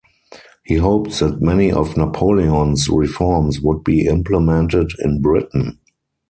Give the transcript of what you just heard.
He hoped that many of Napoleon's reforms would be implemented in Britain.